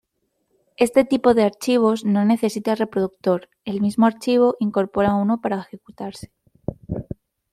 Este tipo de archivos no necesita reproductor, el mismo archivo incorpora uno para ejecutarse.